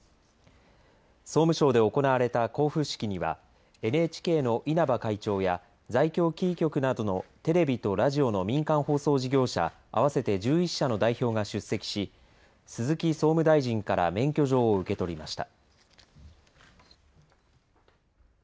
総務省で行われた交付式にはＮＨＫの稲葉会長や在京キー局などのテレビとラジオの民間放送事業者合わせて１１社の代表が出席し鈴木総務大臣から免許状を受け取りました。